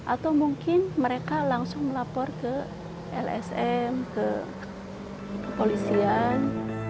atau mungkin mereka langsung melapor ke lsm ke kepolisian